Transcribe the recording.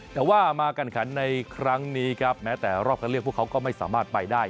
แต่ว่ามากันขันในครั้งนี้ครับแม้แต่รอบคันเลือกพวกเขาก็ไม่สามารถไปได้